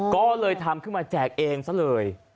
ก็เลยทำขึ้นมาแจกเองซะเลย